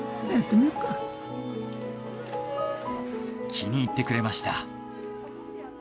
気に入ってくれました。